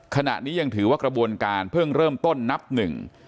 ขณะนี้ยังถือว่ากระบวนการเพิ่งเริ่มต้นนับหนึ่ง